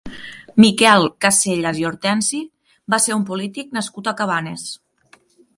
Miquel Casellas i Hortensi va ser un polític nascut a Cabanes.